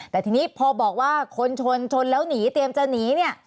แต่ทีนี้พอบอกว่าคนชนชนแล้วหนีเตรียมจะหนีเนี่ย